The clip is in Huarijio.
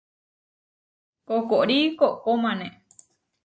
Koʼkóri koʼkómane.